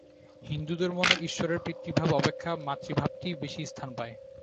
হিন্দুদের মনে ঈশ্বরের পিতৃভাব অপেক্ষা মাতৃভাবটিই বেশী স্থান পায়।